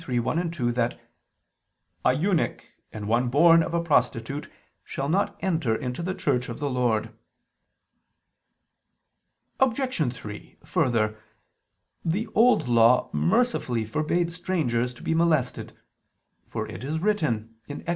23:1, 2) that "an eunuch and one born of a prostitute shalt not enter into the church of the Lord." Obj. 3: Further, the Old Law mercifully forbade strangers to be molested: for it is written (Ex.